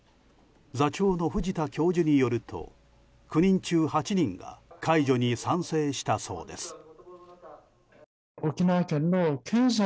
座長の藤田教授によると９人中８人が解除に賛成したそうです。